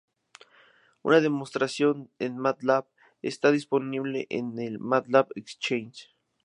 Una demostración en Matlab está disponible en el Matlab exchange.